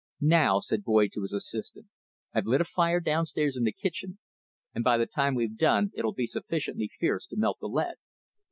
"Now," said Boyd to his assistant, "I've lit a fire downstairs in the kitchen, and by the time we've done it'll be sufficiently fierce to melt the lead."